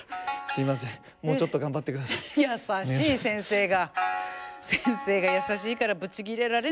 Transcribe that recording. やさしい先生が。